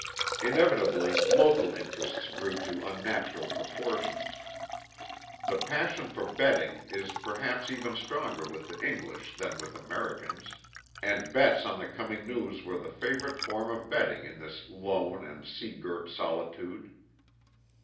Inevitably local interests grew to unnatural proportions. The passion for betting is perhaps even stronger with the English than with Americans, and bets on the coming news were the favorite form of betting in this lone and sea girt solitude.